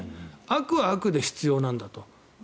悪は悪で必要なんだと。